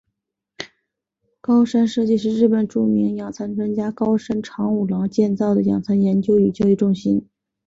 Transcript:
高山社迹是日本著名养蚕专家高山长五郎建造的养蚕研究与教育中心。